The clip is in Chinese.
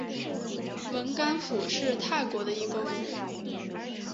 汶干府是泰国的一个府。